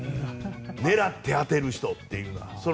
狙って当てる人というのは。